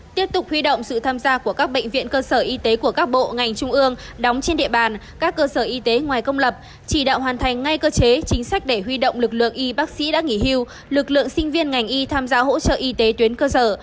tiếp tục huy động sự tham gia của các bệnh viện cơ sở y tế của các bộ ngành trung ương đóng trên địa bàn các cơ sở y tế ngoài công lập chỉ đạo hoàn thành ngay cơ chế chính sách để huy động lực lượng y bác sĩ đã nghỉ hưu lực lượng sinh viên ngành y tham gia hỗ trợ y tế tuyến cơ sở